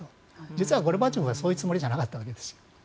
実はゴルバチョフはそういうつもりじゃなかったわけです。